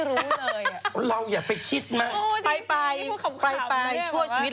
อยู่ไปถึง๔๐๐ปี